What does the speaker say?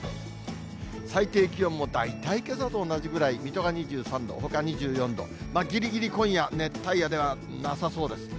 最低気温も大体けさと同じぐらい、水戸が２３度、ほか２４度、ぎりぎり今夜、熱帯夜ではなさそうです。